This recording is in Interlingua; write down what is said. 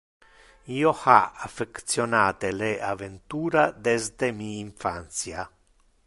Io ha affectionate le aventura desde mi infantia.